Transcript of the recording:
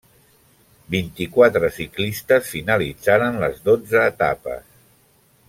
Vint-i-quatre ciclistes finalitzaren les dotze etapes.